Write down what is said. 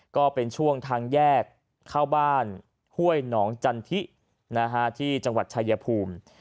ก็เป็นช่วงทางแยกเข้าบ้านห้วยหนองจันทิที่จังหวัดชายภูมิ